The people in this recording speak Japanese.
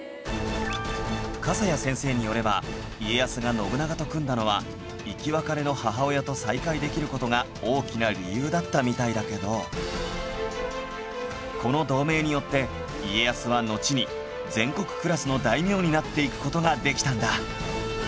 笠谷先生によれば家康が信長と組んだのは生き別れの母親と再会できる事が大きな理由だったみたいだけどこの同盟によって家康はのちに全国クラスの大名になっていく事ができたんだ